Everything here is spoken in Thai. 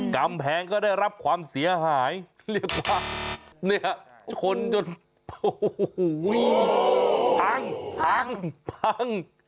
กำแพงก็ได้รับความเสียหายเรียกว่าเนี่ยชนจนโอ้โหพังพัง